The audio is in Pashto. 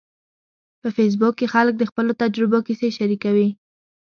په فېسبوک کې خلک د خپلو تجربو کیسې شریکوي.